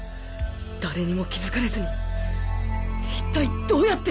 誰にも気付かれずに一体どうやって！？